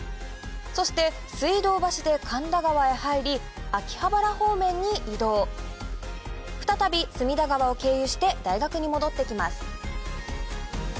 そして水道橋で神田川へ入り秋葉原方面に移動再び隅田川を経由して大学に戻ってきます